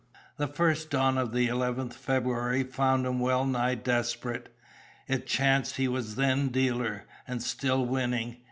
The first dawn of the 11th February found him well nigh desperate. It chanced he was then dealer, and still winning.